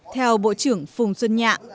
theo bộ trưởng phùng xuân nhạ